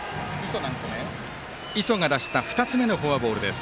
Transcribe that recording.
磯が出した２つ目のフォアボール。